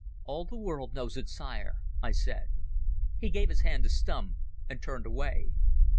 "All the world knows it, sire," I said. He gave his hand to Stumm and turned away.